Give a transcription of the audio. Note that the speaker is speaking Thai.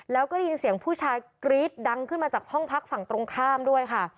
แล้วก็ได้ยินเสียงผู้ชายกรี๊ดดังขึ้นมาจากห้องพักฝั่งตรงข้ามด้วยค่ะ